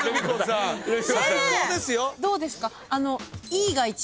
どうですか？